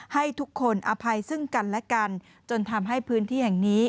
ให้ทุกคนอภัยซึ่งกันและกันจนทำให้พื้นที่แห่งนี้